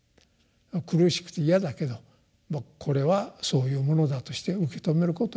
苦しくて嫌だけどもうこれはそういうものだとして受け止めることはできると。